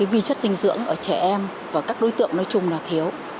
vì chất dinh dưỡng ở trẻ em và các đối tượng nói chung là thiếu